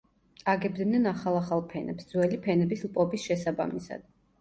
აგებდნენ ახალ-ახალ ფენებს ძველი ფენების ლპობის შესაბამისად.